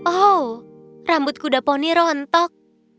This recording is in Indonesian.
oh rambut kuda poni rontok